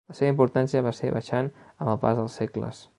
La seva importància va ser baixant amb el pas dels segles.